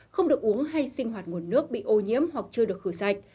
không được uống hay sinh hoạt nguồn nước bị ô nhiễm hoặc chưa được khử sạch